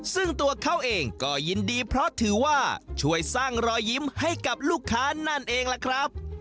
ซึ่งตัวเขาเองก็ยินดีเพราะถือว่าช่วยสร้างรอยยิ้มให้กับลูกค้านั่นเองล่ะครับ